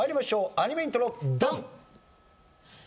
アニメイントロドン！